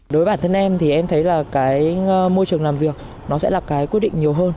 đối với bản thân em thì em thấy là cái môi trường làm việc nó sẽ là cái quyết định nhiều hơn